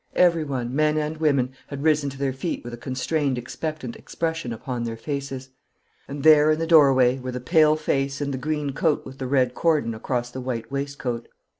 Everyone, men and women, had risen to their feet with a constrained expectant expression upon their faces. And there in the doorway were the pale face and the green coat with the red cordon across the white waistcoat.